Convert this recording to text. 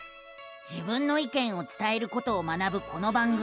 自分の意見を伝えることを学ぶこの番組。